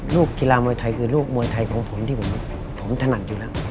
กีฬามวยไทยคือลูกมวยไทยของผมที่ผมถนัดอยู่แล้ว